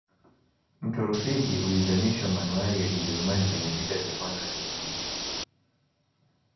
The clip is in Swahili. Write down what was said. mto rufiji ulizamishwa manuari ya kijerumani kwenye vita vya kwanza vya duniani